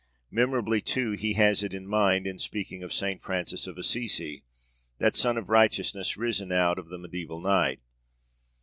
Memorably, too, he has it in mind in speaking of Saint Francis of Assisi, that sun of righteousness risen out of the mediæval night.